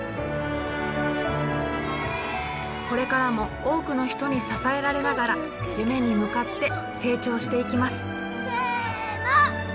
これからも多くの人に支えられながら夢に向かって成長していきます。